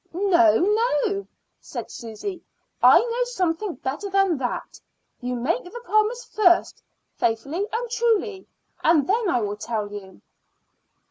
"No, no," said Susy. "I know something better than that. You make the promise first, faithfully and truly, and then I will tell you."